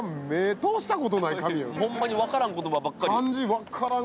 ホンマに分からん言葉ばっかり。